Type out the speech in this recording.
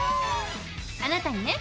あなたにね